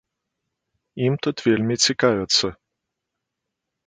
Ім тут вельмі цікавяцца.